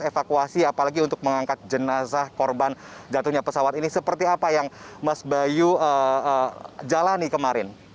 evakuasi apalagi untuk mengangkat jenazah korban jatuhnya pesawat ini seperti apa yang mas bayu jalani kemarin